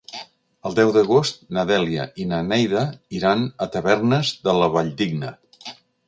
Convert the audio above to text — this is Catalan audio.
El deu d'agost na Dèlia i na Neida iran a Tavernes de la Valldigna.